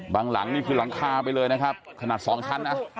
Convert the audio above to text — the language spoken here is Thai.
หลังนี่คือหลังคาไปเลยนะครับขนาด๒ชั้นนะ